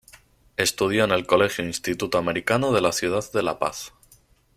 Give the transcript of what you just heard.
Estudió en el colegio Instituto Americano en la ciudad de La Paz.